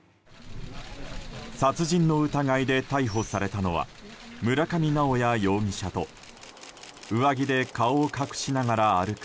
殺人の疑いで逮捕されたのは村上直哉容疑者と上着で顔を隠しながら歩く